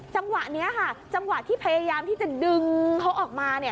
จังหวะนี้ค่ะจังหวะที่พยายามที่จะดึงเขาออกมา